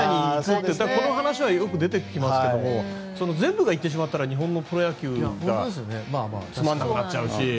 この話はよく出てきますけど全部が行ってしまったら日本のプロ野球がつまらなくなっちゃうし。